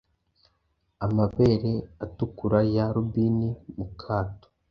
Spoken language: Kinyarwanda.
Amabere atukura ya Robini mu kato